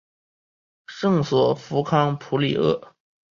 圣索弗康普里厄。